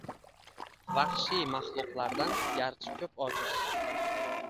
Vahshiy mahluqlardan garchi ko’p ojiz.